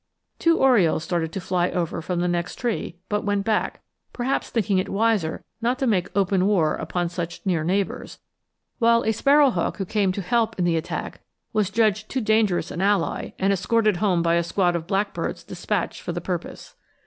Two orioles started to fly over from the next tree, but went back, perhaps thinking it wiser not to make open war upon such near neighbors; while a sparrow hawk who came to help in the attack was judged too dangerous an ally and escorted home by a squad of blackbirds dispatched for the purpose.